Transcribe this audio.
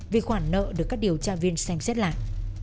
vì khoản nợ được các điều tra viên xem xét lại